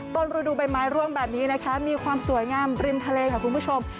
รูดูใบไม้ร่วงแบบนี้นะคะมีความสวยงามริมทะเลค่ะคุณผู้ชม